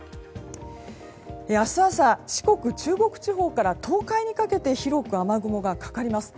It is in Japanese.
明日朝、四国・中国地方から東海にかけて広く雨雲がかかります。